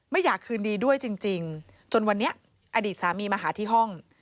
อยากคืนดีด้วยจริงจนวันนี้อดีตสามีมาหาที่ห้อง